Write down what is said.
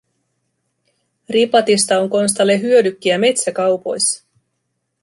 Ripatista on Konstalle hyödykkiä metsäkaupoissa.